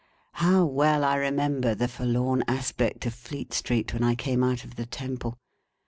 How well I remember the forlorn aspect of Fleet Street when I came out of the Temple!